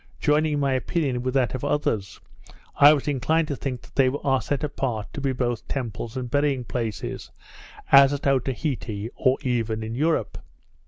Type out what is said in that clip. Joining my opinion with that of others, I was inclined to think that they are set apart to be both temples and burying places, as at Otaheite, or even in Europe.